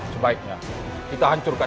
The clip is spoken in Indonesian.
sebaiknya kita hancurkan